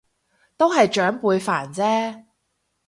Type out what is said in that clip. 都係長輩煩啫